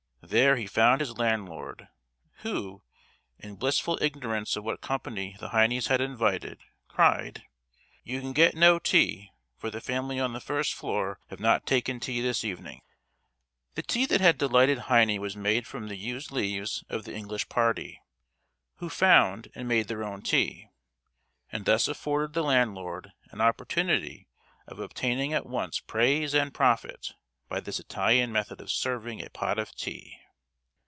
There he found his landlord, who, in blissful ignorance of what company the Heines had invited, cried: "You can get no tea, for the family on the first floor have not taken tea this evening." The tea that had delighted Heine was made from the used leaves of the English party, who found and made their own tea, and thus afforded the landlord an opportunity of obtaining at once praise and profit by this Italian method of serving a pot of tea.